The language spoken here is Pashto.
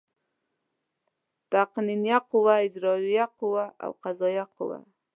تقنینیه قوه، اجرائیه قوه او قضایه قوه.